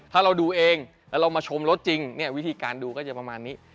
ถ้าเราดูเองแล้วเรามาชมรถจริงเนี่ยวิธีการดูก็จะประมาณนี้